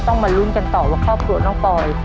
มาลุ้นกันต่อว่าครอบครัวน้องปอย